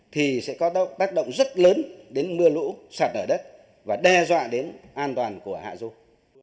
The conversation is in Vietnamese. thì sẽ có tác động rất lớn đến mưa lũ sạt lở đất và đe dọa đến an toàn của hạ du